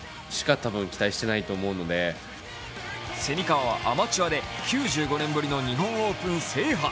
蝉川はアマチュアで９５年ぶりの日本オープン制覇。